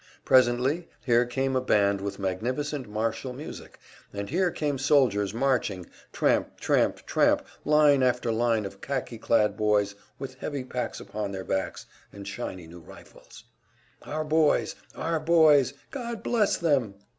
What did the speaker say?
Presently here came a band, with magnificent martial music, and here came soldiers marching tramp, tramp, tramp line after line of khaki clad boys with heavy packs upon their backs and shiny new rifles. Our boys! Our boys! God bless them!